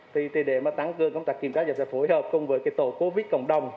thì để mà tăng cương công tác kiểm tra và phối hợp cùng với tổ covid cộng đồng